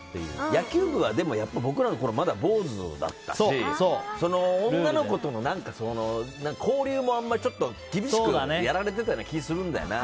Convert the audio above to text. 野球部は僕らのころはまだ坊主だったし女の子とも交流もちょっと厳しくやられてた気がするんだよな。